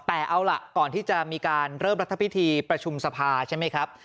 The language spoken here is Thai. แต่เอาล่ะก่อนที่จะมีการเริ่มรัฐพิธีประชุมสภาใช่ไหมครับ